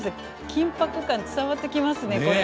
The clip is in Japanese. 緊迫感伝わってきますねこれ。